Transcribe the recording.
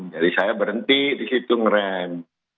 jadi saya berhenti di situ ngeram